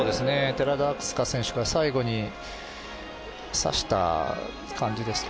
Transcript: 寺田明日香選手が最後にさした感じです。